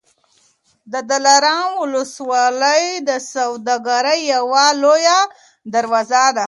د دلارام ولسوالي د سوداګرۍ یوه لویه دروازه ده.